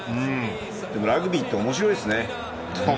でもラグビーっておもしろいですね。